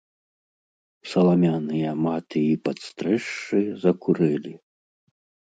Саламяныя маты і падстрэшшы закурэлі.